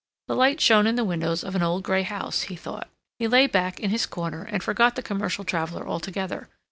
The light shone in the windows of an old gray house, he thought. He lay back in his corner and forgot the commercial traveler altogether.